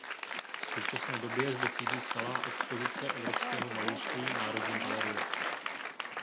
V současné době zde sídlí stálá expozice evropského malířství Národní galerie.